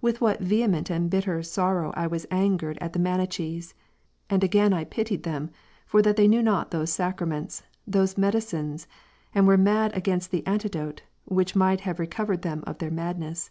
With what vehement and bitter sorrow was I angered at the Manichees ! and again I pitied them, for that they knew not those Sacraments, those medi cines, and were mad against the antidote, which might have recovered them of their madness.